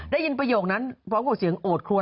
ได้ยินประโยคนั้นพร้อมกับเสียงโอดครวน